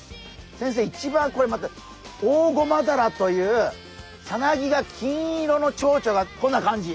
一番これまたオオゴマダラというさなぎが金色のチョウチョがこんな感じ。